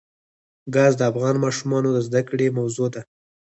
ګاز د افغان ماشومانو د زده کړې موضوع ده.